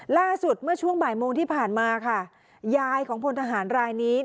ล่าสุดเมื่อช่วงบ่ายโมงที่ผ่านมาค่ะยายของพลทหารรายนี้